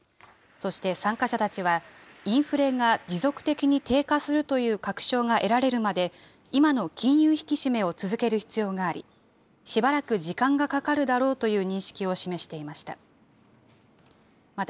そして参加者たちは、インフレが持続的に低下するという確証が得られるまで、今の金融引き締めを続ける必要があり、しばらく時間がかかるだろうという認識を示していました。